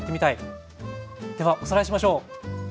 ではおさらいしましょう。